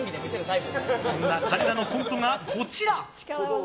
そんな彼らのコントがこちら。